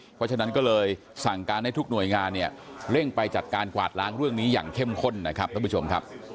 เพราะฉะนั้นก็เลยสั่งการให้ทุกหน่วยงานเนี่ยเร่งไปจัดการกวาดล้างเรื่องนี้อย่างเข้มข้นนะครับท่านผู้ชมครับ